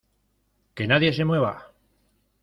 ¡ Que nadie se mueva!